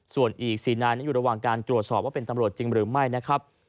ส่วนอีก๔นายนั้นอยู่ระหว่างการตรวจสอบว่าเป็นตำรวจจริงหรือไม่นะครับ